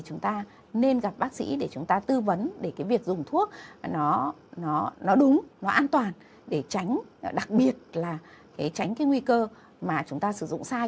chúng ta nên gặp bác sĩ để chúng ta tư vấn để cái việc dùng thuốc nó đúng nó an toàn để tránh đặc biệt là tránh cái nguy cơ mà chúng ta sử dụng sai